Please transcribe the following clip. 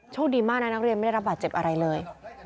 โชคดีมากนะนักเรียนไม่ได้รับบาดเจ็บอะไรเลย